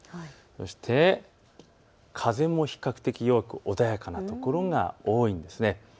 そして風も比較的弱く穏やかな所が多いんです。